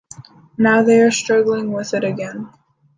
Now they are struggling with it again.